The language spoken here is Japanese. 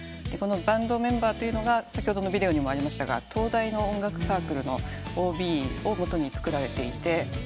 このバンドメンバーというのが先ほどのビデオにもありましたが東大の音楽サークルのＯＢをもとに作られていて。